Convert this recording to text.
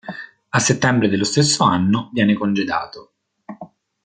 A settembre dello stesso anno viene congedato.